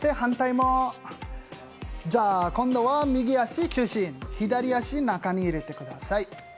今度は右足中心、左足、中に入れてください。